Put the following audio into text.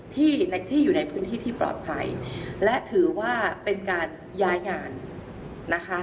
ที่ในที่อยู่ในพื้นที่ที่ปลอดภัยและถือว่าเป็นการย้ายงานนะคะ